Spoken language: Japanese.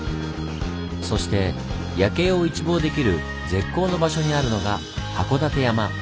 そして夜景を一望できる絶好の場所にあるのが函館山。